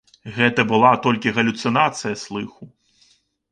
Гэта была толькі галюцынацыя слыху.